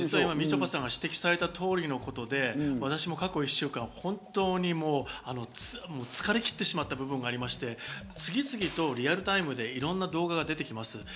今、みちょぱさんが指摘された通りのことで私も過去１週間、疲れ切ってしまった部分がありまして、次々とリアルタイムでいろんな動画が出てきます。